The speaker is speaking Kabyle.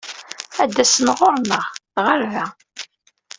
Ad d-asen ɣur-neɣ, ɣer da.